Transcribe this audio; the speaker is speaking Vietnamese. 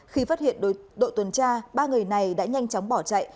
khi phát hiện đội tuần tra ba người này đã nhanh chóng bỏ chạy